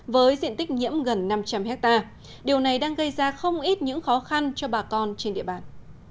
với diện tích nhiễm gần năm trăm linh hectare điều này đang gây ra không ít những khó khăn cho bà con trên địa bàn